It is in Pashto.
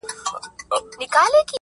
نن د پايزېب په شرنگهار راته خبري کوه~